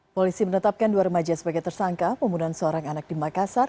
polisi menetapkan dua remaja sebagai tersangka pembunuhan seorang anak di makassar